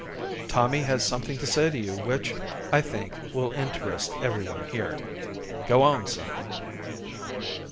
"Tommy has something to say to you which, I think, will interest everyone here. Go on, son."